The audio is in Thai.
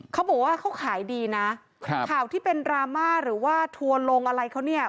เขาบอกว่าเขาขายดีนะครับข่าวที่เป็นดราม่าหรือว่าทัวร์ลงอะไรเขาเนี่ย